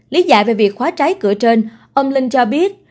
lý giải về việc khóa trái cửa trên ông linh cho biết